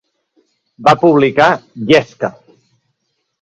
Va publicar "Yesca".